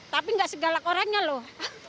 tapi gak segalak orangnya loh